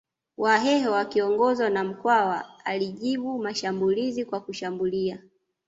Wahehe wakiongozwa na Mkwawa alijibu mashambulizi kwa kushambulia